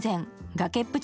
崖っぷち